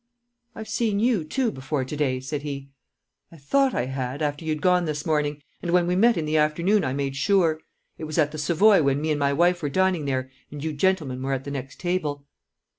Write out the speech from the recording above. "I've seen you, too, before to day," said he. "I thought I had, after you'd gone this morning, and when we met in the afternoon I made sure. It was at the Savoy when me and my wife were dining there and you gentlemen were at the next table."